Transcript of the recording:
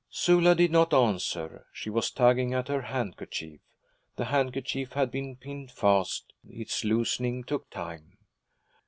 Sula did not answer; she was tugging at her handkerchief. The handkerchief had been pinned fast, its loosening took time.